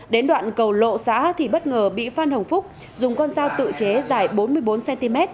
đến đoạn cầu lộ xã thì bất ngờ bị phan hồng phúc dùng con dao tự chế dài bốn mươi bốn cm